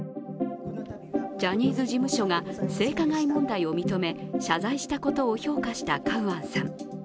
ジャニーズ事務所が性加害問題を認め謝罪したことを評価したカウアンさん。